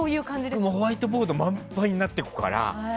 ホワイトボードが満杯になっていくから。